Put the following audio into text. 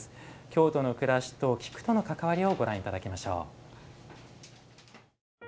京都の暮らしと菊との関わりをご覧いただきましょう。